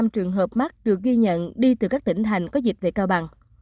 bốn trăm bốn mươi năm trường hợp mắc được ghi nhận đi từ các tỉnh thành có dịch về cao bằng